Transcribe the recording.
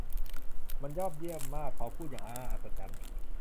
มันยอดเยี่ยมมากเขาพูดอย่างน่าอัศจรรย์